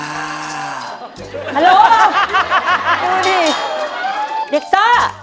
ฮัลโหลดูดิเด็กซ่า